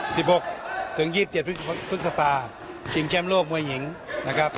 หกถึงยี่สิบเจ็ดพฤษภาชิงแชมป์โลกมวยหญิงนะครับ